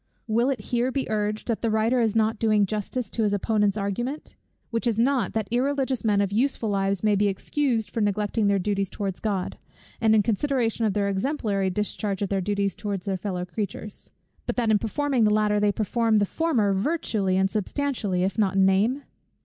Will it here be urged, that the writer is not doing justice to his opponent's argument; which is not, that irreligious men of useful lives may be excused for neglecting their duties towards God, in consideration of their exemplary discharge of their duties towards their fellow creatures; but that in performing the latter they perform the former virtually, and substantially, if not in name?